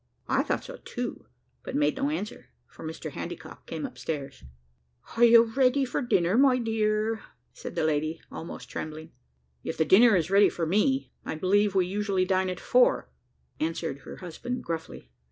I thought so too, but made no answer, for Mr Handycock came upstairs. "Are you ready for your dinner, my dear?" said the lady, almost trembling. "If the dinner is ready for me. I believe we usually dine at four," answered her husband gruffly.